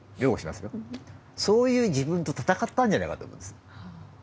そういう自分とたたかったんじゃないかと思うんです。